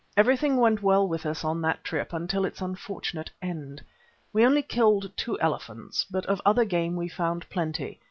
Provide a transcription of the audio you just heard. Everything went well with us on that trip until its unfortunate end. We only killed two elephants, but of other game we found plenty.